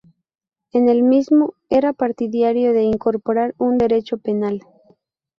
En el mismo era partidario de incorporar un derecho penal.